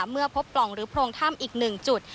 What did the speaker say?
เมื่อพบปล่องหรือโพรงถ้ำอีก๑จุด